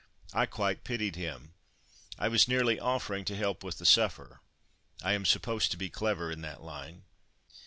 I quite pitied him. I was nearly offering to help with the supper—I am supposed to be clever in that line."